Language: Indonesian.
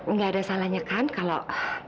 nggak ada salahnya kan kalau